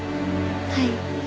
はい。